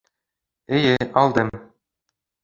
Эйе, алдым